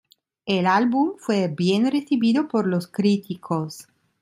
El álbum fue bien recibido por los críticos.